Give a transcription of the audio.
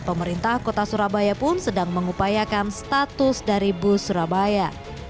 pemerintah kota surabaya pun sedang mengupayakan status dari bus surabaya